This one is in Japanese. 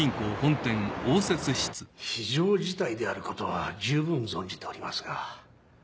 非常事態であることは十分存じておりますが。